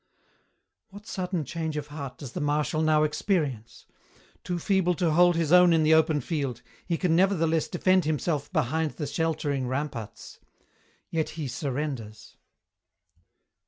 "What sudden change of heart does the Marshal now experience? Too feeble to hold his own in the open field, he can nevertheless defend himself behind the sheltering ramparts yet he surrenders.